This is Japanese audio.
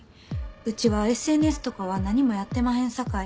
うちはＳＮＳとかは何もやってまへんさかい。